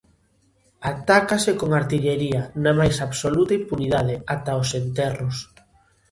Atácase con artillería, na máis absoluta impunidade, ata os enterros.